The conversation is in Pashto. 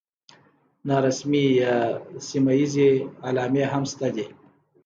نارسمي یا سیمه ییزې علامې هم شته دي.